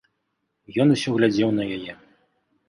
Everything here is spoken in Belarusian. Ён усё глядзеў на яе.